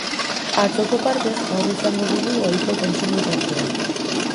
Atzoko partez gaur izango dugu ohiko kontsumo tartea.